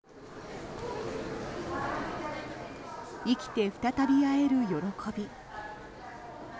生きて再び会える喜び。